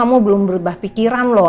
kamu belum berubah pikiran loh